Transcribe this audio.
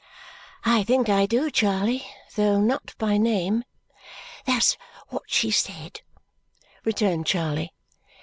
"I think I do, Charley, though not by name." "That's what she said!" returned Charley.